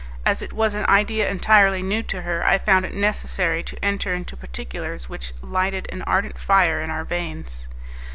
As it was an idea entirely new to her, I found it necessary to enter into particulars which lighted an ardent fire in our veins.